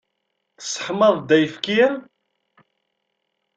Tesseḥmaḍ-d ayefki?